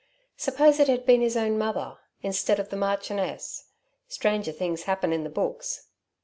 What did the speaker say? Suppose it had been his own mother, instead of the Marchioness? Stranger things happened in the books.